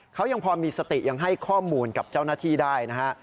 เขายังพอมีสติยังให้ข้อมูลกับเจ้าหน้าที่ได้นะฮะ